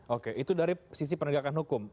oke itu dari sisi penegakan hukum